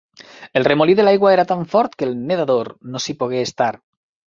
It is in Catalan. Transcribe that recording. El remolí de l'aigua era tan fort que el nedador no s'hi pogué estar.